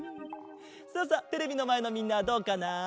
さあさテレビのまえのみんなはどうかな？